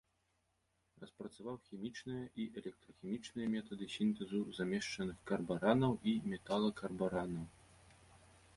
Распрацаваў хімічныя і электрахімічныя метады сінтэзу замешчаных карбаранаў і металакарбаранаў.